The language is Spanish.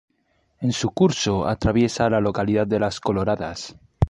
En su curso atraviesa la localidad de Las Coloradas.